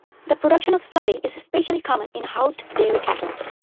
The production of slurry is especially common in housed dairy cattle.